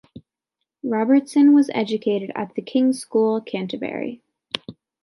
Robertson was educated at The King's School, Canterbury.